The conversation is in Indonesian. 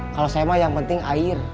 kalau saya mah yang penting air